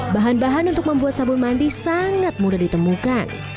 bahan bahan untuk membuat sabun mandi sangat mudah ditemukan